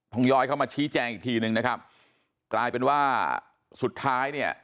ย้อยเข้ามาชี้แจงอีกทีนึงนะครับกลายเป็นว่าสุดท้ายเนี่ย